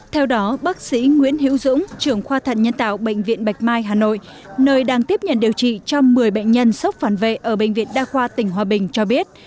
theo đó bác sĩ nguyễn hiễu dũng trưởng khoa thận nhân tạo bệnh viện bạch mai hà nội nơi đang tiếp nhận điều trị cho một mươi bệnh nhân sốc phản vệ ở bệnh viện đa khoa tỉnh hòa bình cho biết